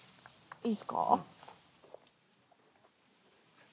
いいっすか？